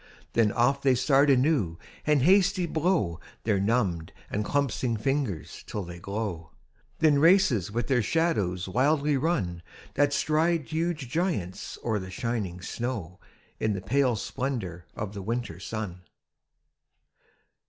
Then off they start anew and hasty blow Their numbed and clumpsing fingers till they glow; Then races with their shadows wildly run That stride huge giants o'er the shining snow In the pale splendour of the winter sun.